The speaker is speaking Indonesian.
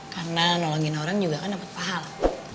karena nolongin orang juga kan dapat pahala